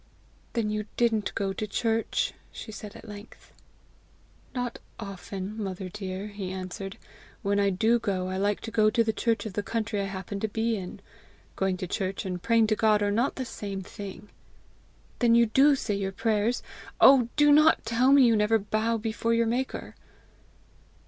"Then you didn't go to church!" she said at length. "Not often, mother dear," he answered. "When I do go, I like to go to the church of the country I happen to be in. Going to church and praying to God are not the same thing." "Then you do say your prayers? Oh, do not tell me you never bow down before your maker!"